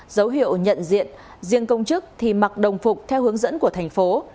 dấu hiệu nhận diện riêng công chức thì mặc đồng phục theo hướng dẫn của thành phố